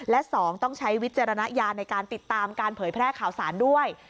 และ๒ต้องใช้วิจารณญาณในการติดตามการเผยแพร่ข่าวสารด้วย